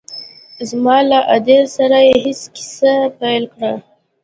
زما له ادې سره يې هسې کيسه پيل کړه.